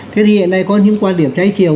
thế thì hiện nay có những quan điểm trái chiều